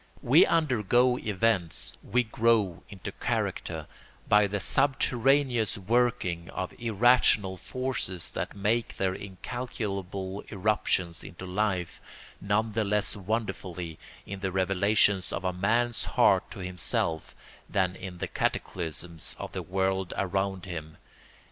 We undergo events, we grow into character, by the subterraneous working of irrational forces that make their incalculable irruptions into life none the less wonderfully in the revelations of a man's heart to himself than in the cataclysms of the world around him.